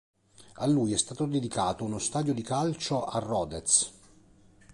A lui è stato dedicato uno stadio di calcio a Rodez.